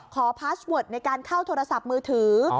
พาสเวิร์ดในการเข้าโทรศัพท์มือถือ